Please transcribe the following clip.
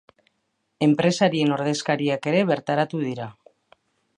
Enpresarien ordezkariak ere bertaratu dira.